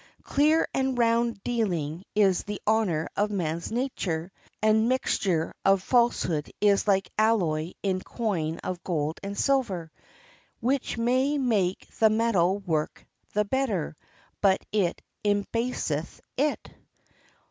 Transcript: Clear and round dealing is the honor of man's nature, and mixture of falsehood is like alloy in coin of gold and silver, which may make the metal work the better, but it embaseth it.